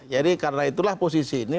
jadi karena itulah posisi ini